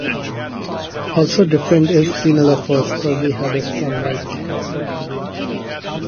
Also different is that "Teinolophos" probably had a strong bite.